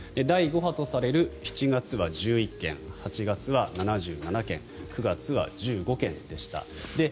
第５波とされる７月は１１件８月は７７件９月は１５件でした。